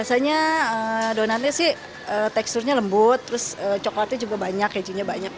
biasanya donatnya sih teksturnya lembut terus coklatnya juga banyak kejunya banyak